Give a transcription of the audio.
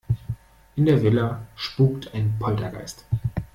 In der Villa spukt ein Poltergeist.